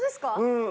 うん。